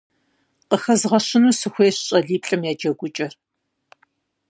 Къыхэзгъэщыну сыхуейщ щӏалиплӏым я джэгукӏэр.